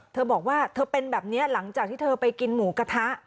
เธอบอกว่าเธอเป็นแบบนี้หลังจากที่เธอไปกินหมูกระทะ